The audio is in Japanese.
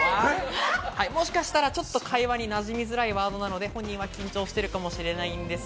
もしかしたら、ちょっと会話になじみづらいワードなので、本人は緊張しているかもしれません。